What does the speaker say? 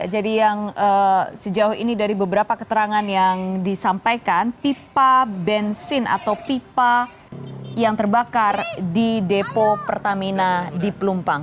jadi yang sejauh ini dari beberapa keterangan yang disampaikan pipa bensin atau pipa yang terbakar di depo pertamina di pelumpang